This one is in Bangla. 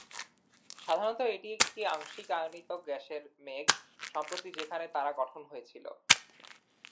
সাধারণত, এটি একটি আংশিক আয়নিত গ্যাসের মেঘ, সম্প্রতি যেখানে তারা গঠন হয়েছিল।